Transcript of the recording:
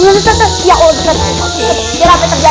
jangan hape terjadi ya ustadz